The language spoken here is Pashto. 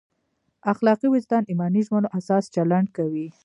اخلاقي وجدان ایماني ژمنو اساس چلند کوي.